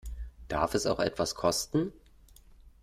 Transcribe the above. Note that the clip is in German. Darf es auch etwas kosten?